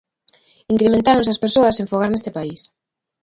Incrementáronse as persoas sen fogar neste país.